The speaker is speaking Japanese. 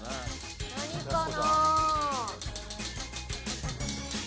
何かな。